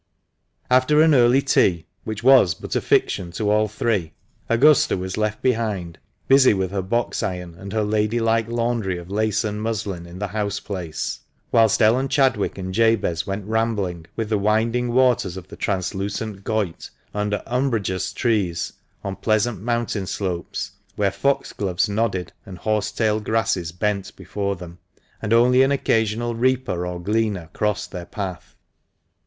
After an early tea, which was but a fiction to all three, Augusta was left behind, busy with her box iron and her lady like laundry of lace and muslin in the house place, whilst Ellen Chadwick and Jabez went rambling with the winding waters of the translucent Goyt, under umbrageous trees on pleasant mountain slopes, where foxgloves nodded and horsetail grasses bent before them, and only an occasional reaper or gleaner crossed their path.